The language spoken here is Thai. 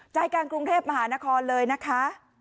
ใจกลางกรุงเทพมหานครเลยนะคะ